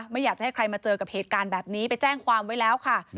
ไม่อยากจะให้ใครมาเจอกับเหตุการณ์แบบนี้ไปแจ้งความไว้แล้วค่ะ